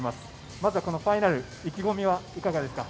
まず、このファイナル意気込みはいかがですか？